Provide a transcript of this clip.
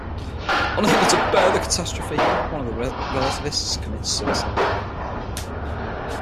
Unable to bear the catastrophe, one of the relativists commits suicide.